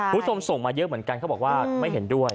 คุณผู้ชมส่งมาเยอะเหมือนกันเขาบอกว่าไม่เห็นด้วย